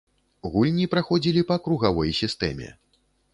Гульні праходзілі па кругавой сістэме.